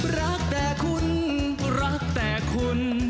รักแต่คุณรักแต่คุณ